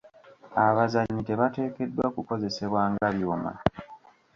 Abazannyi tebateekeddwa kukozesebwa nga byuma.